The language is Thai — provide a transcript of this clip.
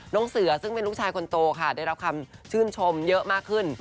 เสือซึ่งเป็นลูกชายคนโตค่ะได้รับคำชื่นชมเยอะมากขึ้น